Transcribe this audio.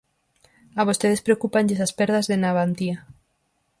A vostedes preocúpanlles as perdas de Navantia.